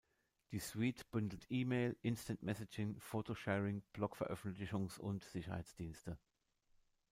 Die Suite bündelt E-Mail, Instant Messaging, Foto-Sharing, Blog-Veröffentlichungs- und Sicherheitsdienste.